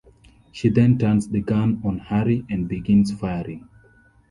She then turns the gun on Harry and begins firing.